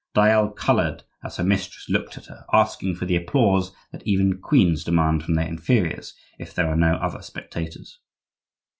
Dayelle colored as her mistress looked at her, asking for the applause that even queens demand from their inferiors if there are no other spectators.